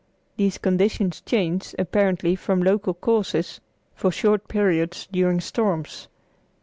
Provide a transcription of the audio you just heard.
These conditions change, apparently from local causes, for short periods during storms.